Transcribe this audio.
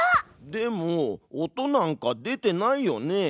でも音なんか出てないよね。